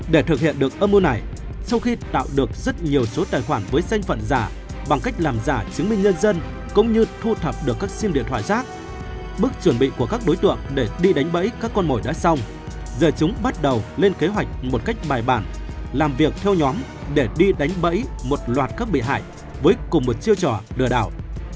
để thực hiện được âm mưu này sau khi tạo được rất nhiều số tài khoản với danh phận giả bằng cách làm giả chứng minh nhân dân cũng như thu thập được các sim điện thoại giác bước chuẩn bị của các đối tượng để đi đánh bẫy các con mồi đã xong giờ chúng bắt đầu lên kế hoạch một cách bài bản làm việc theo nhóm để đi đánh bẫy một loạt các bị hại với cùng một chiêu trò lừa đảo